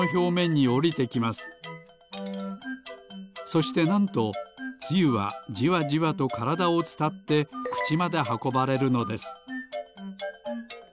そしてなんとつゆはじわじわとからだをつたってくちまではこばれるのです。